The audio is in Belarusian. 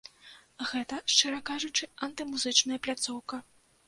Гэта, шчыра кажучы, антымузычная пляцоўка.